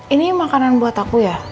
ini makanan buat aku ya